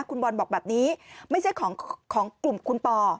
คุณบอลบอกแบบนี้ไม่ใช่ของกลุ่มคุณปอ